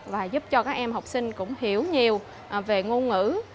và giúp cho các em học sinh cũng hiểu nhiều về ngôn ngữ